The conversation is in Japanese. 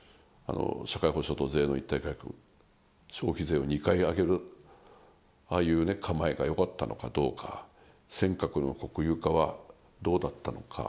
社会保障と税の一体改革、消費税を２回上げる、ああいう構えがよかったのかどうか、尖閣の国有化はどうだったのか。